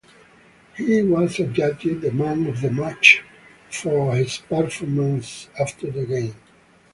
He was adjudged the man of the match for his performance after the game.